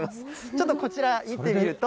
ちょっとこちら、見てみると。